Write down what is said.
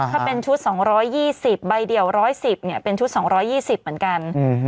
ถ้าเป็นชุด๒๒๐ใบเดี่ยว๑๑๐เป็นชุด๒๒๐เหมือนกัน